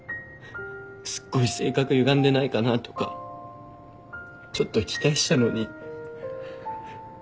すっごい性格ゆがんでないかなとかちょっと期待したのに。